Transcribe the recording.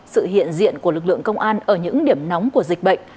sự hiện diện của lực lượng công an ở những điểm nóng của dịch bệnh